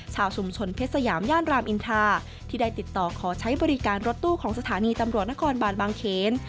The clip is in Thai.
ชาวชุมชนเพชรสยามย่านรามอินทาที่ได้ติดต่อขอใช้บริการรถตู้ของสถานีตำรวจนครบานบางเขน